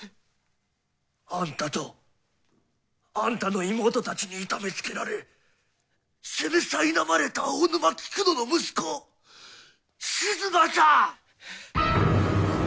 アンタとアンタの妹たちに痛めつけられ責めさいなまれた青沼菊乃の息子静馬さ！